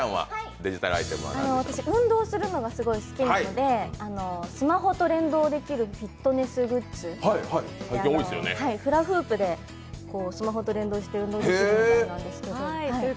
私、運動するのがすごく好きなのでスマホと連動できるフィットネスグッズで、フラフープでスマホと連動して運動できるんですけど。